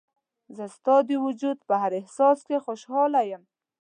زه ستا د وجود په هر احساس کې خوشحاله یم.